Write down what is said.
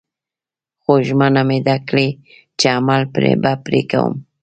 خو ژمنه مې ده کړې چې عمل به پرې کوم